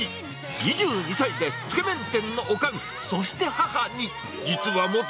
２２歳でつけ麺店の女将、そして母に。